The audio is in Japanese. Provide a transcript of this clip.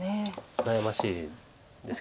悩ましいです。